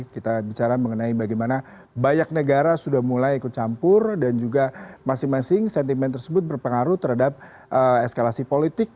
kita bicara mengenai bagaimana banyak negara sudah mulai ikut campur dan juga masing masing sentimen tersebut berpengaruh terhadap eskalasi politik